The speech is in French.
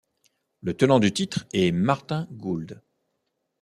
Le tenant du titre est Martin Gould.